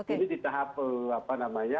ini di tahap apa namanya